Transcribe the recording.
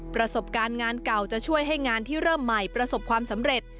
ประสบการณ์งานเก่าจะช่วยให้งานที่เริ่มใหม่ประสบความสำเร็จ